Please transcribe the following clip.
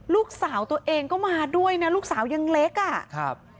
ลูกสาวตัวเองก็มาด้วยนะลูกสาวยังเล็กอ่ะครับ